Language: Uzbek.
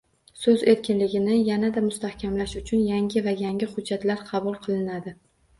So'z erkinligi ni yanada mustahkamlash uchun yangi va yangi hujjatlar qabul qilinadi